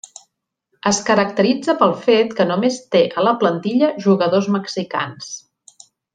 Es caracteritza pel fet que només té a la plantilla jugadors mexicans.